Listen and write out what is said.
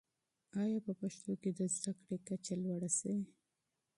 آیا په پښتنو کي د زده کړې کچه لوړه سوې؟